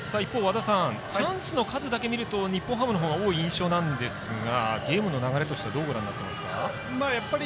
チャンスの数だけ見ると日本ハムのほうが多い印象なんですがゲームの流れとしてはどうご覧になってますか？